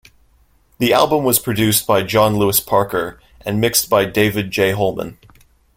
The album was produced by John Lewis Parker, and mixed by David J. Holman.